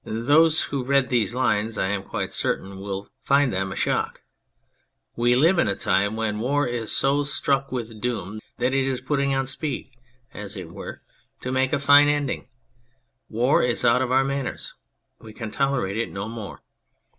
Those who read these lines, I am quite certain, will find them a shock. We live in a time when war is so struck with doom that it is putting on speed, as it were, to make a fine ending. War is out of our manners ; we can tolerate it no more.